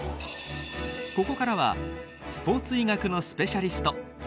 ここからはスポーツ医学のスペシャリスト